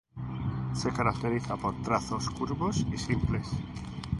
Se caracteriza por trazos curvos y simples.